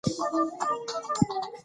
هغوی ته د مسؤلیت اخیستلو اجازه ورکړئ.